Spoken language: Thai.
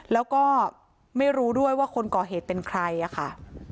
แล้วก็ไม่รู้ด้วยว่าคนก่อเหตุเป็นใครอะค่ะ